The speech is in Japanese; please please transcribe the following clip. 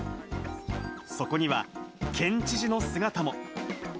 そこには県知事の姿も。